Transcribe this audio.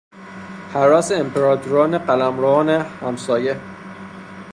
هراس امپراتوران قلمروان همسایه